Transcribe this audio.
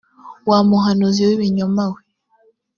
wa muhanuzi w ibinyoma we